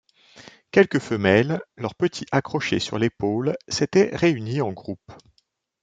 Quelques femelles, leurs petits accrochés sur l’épaule, s’étaient réunies en groupe.